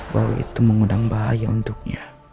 bahwa itu mengundang bahaya untuknya